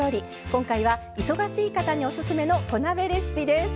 今回は忙しい方にオススメの小鍋レシピです。